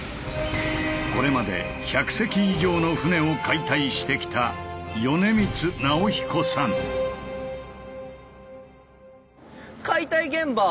これまで１００隻以上の船を解体してきた解体現場